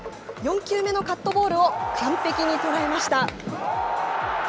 ４球目のカットボールを完璧に捉えました。